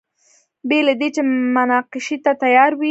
بې له دې چې مناقشې ته تیار وي.